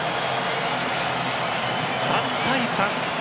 ３対３。